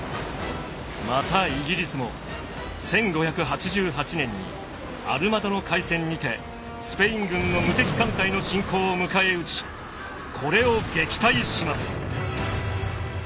またイギリスも１５８８年にアルマダの海戦にてスペイン軍の無敵艦隊の侵攻を迎え撃ちこれを撃退します。